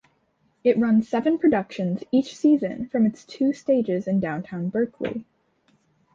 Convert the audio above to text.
It runs seven productions each season from its two stages in Downtown Berkeley.